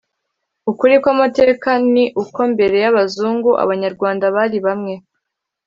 Ukuri kw'amateka ni uko mbere y'Abazungu, abanyarwanda bari bamwe